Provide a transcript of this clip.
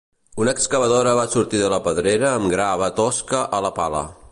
Una excavadora va sortir de la pedrera amb grava tosca a la pala.